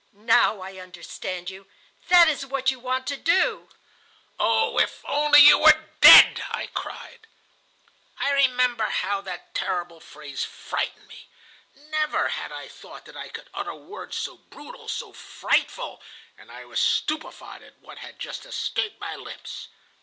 Now I understand you. That is what you want to do.' 'Oh, if you were only dead!' I cried. "I remember how that terrible phrase frightened me. Never had I thought that I could utter words so brutal, so frightful, and I was stupefied at what had just escaped my lips.